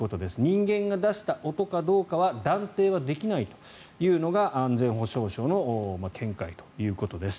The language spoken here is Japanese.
人間が出した音かどうかは断定できないというのが安全保障省の見解ということです。